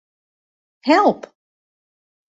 Help.